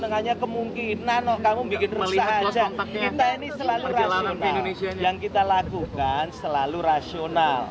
orang jepang tadi yang bawa dia kemudian tinggal di malaysia